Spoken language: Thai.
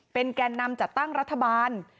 แก่นำจัดตั้งรัฐบาล